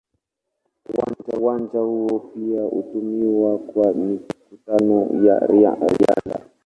Uwanja huo pia hutumiwa kwa mikutano ya riadha.